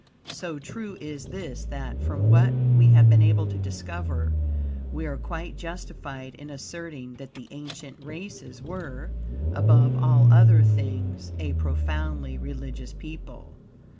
So true is this that, from what we have been able to discover, we are quite justified in asserting that the ancient races were, above all other things, a profoundly religious people.